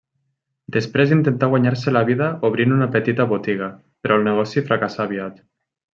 Després intentà guanyar-se la vida obrint una petita botiga, però el negoci fracassà aviat.